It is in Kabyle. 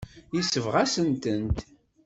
Yesbeɣ-asen-tent.